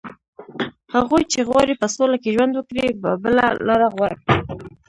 هغوی چې غواړي په سوله کې ژوند وکړي، به بله لاره غوره کړي